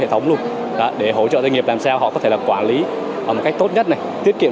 hệ thống luôn đó để hỗ trợ doanh nghiệp làm sao họ có thể là quản lý một cách tốt nhất này tiết kiệm